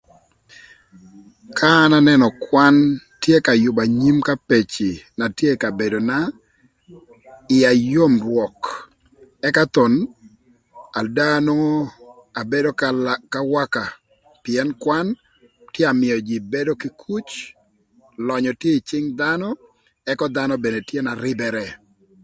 Ka an anënö kwan tye ka yübö anyim ka peci na tye ï kabedona ïya yöm rwök ëka thon ada nongo abedo k'awaka pïën kwan tye ka mïö jïï bedo kï kuc lönyö tye ï cïng dhanö ëka dhanö bedo tye na rïbërë